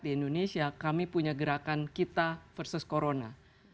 di grab indonesia kami punya gerakan kita vs corona